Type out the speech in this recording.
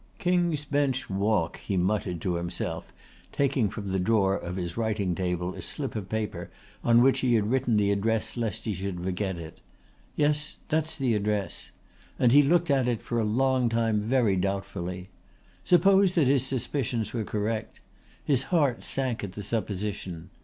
"King's Bench Walk," he muttered to himself, taking from the drawer of his writing table a slip of paper on which he had written the address lest he should forget it. "Yes, that's the address," and he looked at it for a long time very doubtfully. Suppose that his suspicions were correct! His heart sank at the supposition.